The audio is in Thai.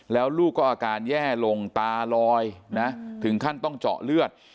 แล้วลูกก็อาการแย่ลงตาลอยนะถึงขั้นต้องเจาะเลือด